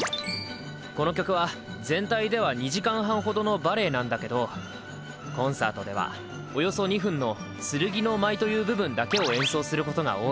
この曲は全体では２時間半ほどのバレエなんだけどコンサートではおよそ２分の「剣の舞」という部分だけを演奏することが多い。